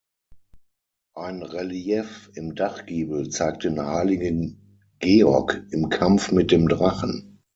Ein Relief im Dachgiebel zeigt den Heiligen Georg im Kampf mit dem Drachen.